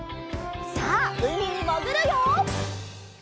さあうみにもぐるよ！